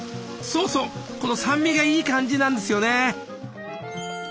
そうそうこの酸味がいい感じなんですよね。